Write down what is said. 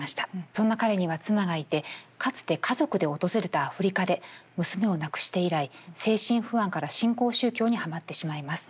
そんな彼には妻がいてかつて家族で訪れたアフリカで娘を亡くして以来精神不安から新興宗教にはまってしまいます。